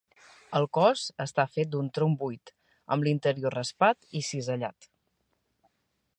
El cos està fet d'un tronc buit, amb l'interior raspat i cisellat.